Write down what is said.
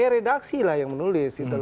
redaksi lah yang menulis